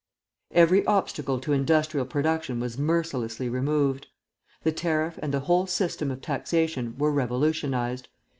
Every obstacle to industrial production was mercilessly removed. The tariff and the whole system of taxation were revolutionised.